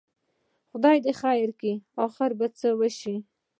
خدای دې خیر کړي، اخر به څه شي؟